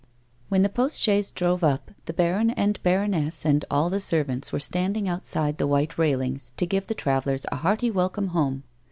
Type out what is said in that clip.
When the post chaise drove up, the baron and baroness and all the servants were standhig outside the white railings to give the travellers a hearty welcome home.